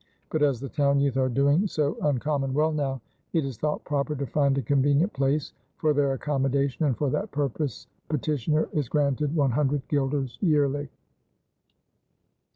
But as the town youth are doing so uncommon well now, it is thought proper to find a convenient place for their accommodation and for that purpose petitioner is granted one hundred guilders yearly."